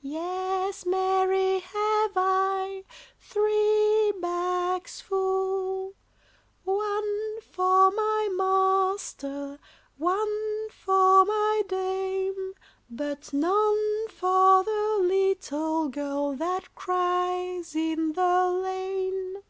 Yes, marry, have I, Three bags full: One for my master, One for my dame; But none for the little girl That cries in the lane.